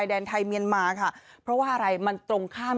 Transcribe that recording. กลุ่มน้ำเบิร์ดเข้ามาร้านแล้ว